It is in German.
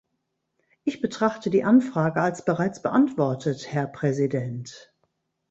Ich betrachte die Anfrage als bereits beantwortet, Herr Präsident.